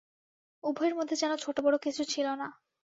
উভয়ের মধ্যে যেন ছোটোবড়ো কিছু ছিল না।